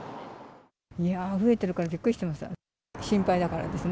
増えてるからびっくりしてます。